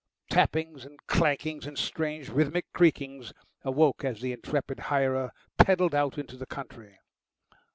Tappings and clankings and strange rhythmic creakings awoke as the intrepid hirer pedalled out into the country.